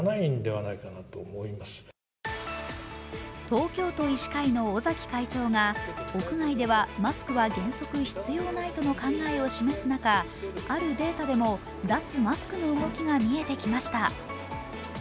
東京都医師会の尾崎会長が屋外ではマスクは原則、必要ないとの考えを示す中、あるデータでも、脱マスクの動きが見えてきました。